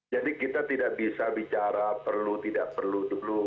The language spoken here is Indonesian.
jadi kita tidak bisa bicara perlu tidak perlu dulu